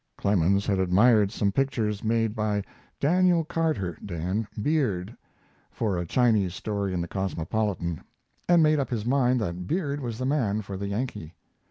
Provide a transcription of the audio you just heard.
Clemens had admired some pictures made by Daniel Carter ("Dan") Beard for a Chinese story in the Cosmopolitan, and made up his mind that Beard was the man for the Yankee.